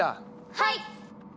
はい！